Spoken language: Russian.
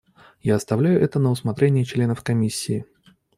Я оставляю это на усмотрение членов Комиссии.